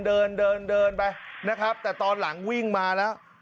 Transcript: กล้องเบลือนไปนะครับแต่ตอนหลังวิ่งมาแล้ว